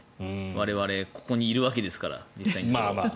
我々、ここにいるわけですから実際に。